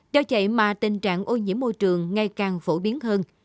do vậy mà tình trạng ô nhiễm môi trường ngày càng phổ biến hơn